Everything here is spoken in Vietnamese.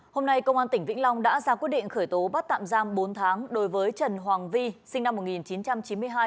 hôm nay công an tỉnh vĩnh long đã ra quyết định khởi tố bắt tạm giam bốn tháng đối với trần hoàng vi sinh năm một nghìn chín trăm chín mươi hai